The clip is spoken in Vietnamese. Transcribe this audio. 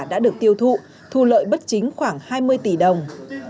đã được tiêu thụ thu lợi bất chính khoảng hai mươi tỷ đồng